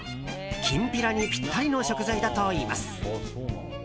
きんぴらにぴったりの食材だといいます。